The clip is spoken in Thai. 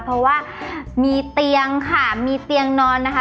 เพราะว่ามีเตียงค่ะมีเตียงนอนนะคะ